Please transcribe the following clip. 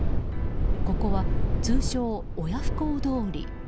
ここは通称、親不孝通り。